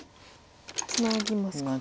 ツナぎますか。